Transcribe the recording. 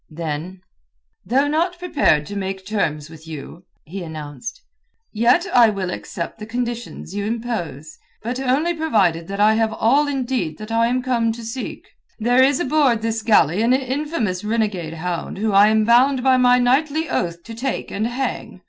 Then— "Though not prepared to make terms with you," he announced, "yet I will accept the conditions you impose, but only provided that I have all indeed that I am come to seek. There is aboard this galley an infamous renegade hound whom I am bound by my knightly oath to take and hang.